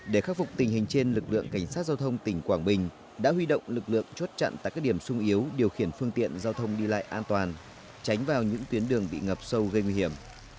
để khắc phục tình hình trên lực lượng cảnh sát giao thông tỉnh quảng bình đã huy động lực lượng chốt chặn tại các điểm sung yếu điều khiển phương tiện giao thông đi lại an toàn tránh vào những tuyến đường bị ngập sâu gây nguy hiểm